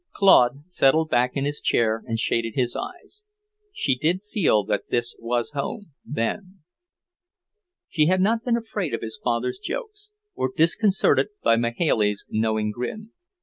Claude settled back in his chair and shaded his eyes. She did feel that this was home, then. She had not been afraid of his father's jokes, or disconcerted by Mahailey's knowing grin.